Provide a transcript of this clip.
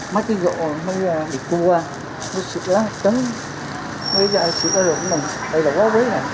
mấy cái gỗ mấy cái cua mấy cái xịt lá tấn mấy cái xịt lá rộng của mình đây là quá vui